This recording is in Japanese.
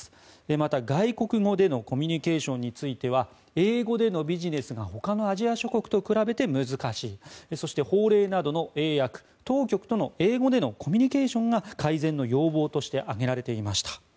また、外国語でのコミュニケーションについては英語でのビジネスがほかのアジア諸国と比べて難しいそして法令などの英訳当局との英語でのコミュニケーションが改善の要望として挙げられていました。